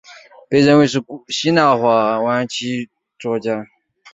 他也被认为是希腊化时代晚期的着作家。